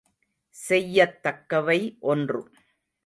செய்யத் தக்கவை ஒன்று.